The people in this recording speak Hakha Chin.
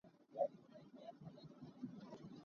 Na tuah mi hi zoh!